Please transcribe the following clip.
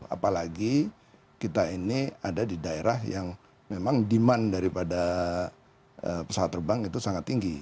apalagi kita ini ada di daerah yang memang demand daripada pesawat terbang itu sangat tinggi